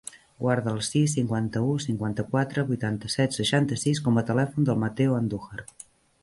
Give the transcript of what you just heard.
Guarda el sis, cinquanta-u, cinquanta-quatre, vuitanta-set, seixanta-sis com a telèfon del Matteo Andujar.